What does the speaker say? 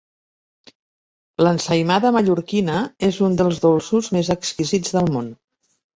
L'ensaïmada mallorquina és un dels dolços més exquisits del món.